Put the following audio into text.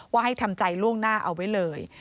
ให้ทำใจล่วงหน้าเอาไว้เลย